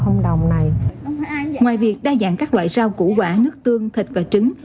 ngoài việc đa dạng các loại rau củ quả nước tương thịt và trứng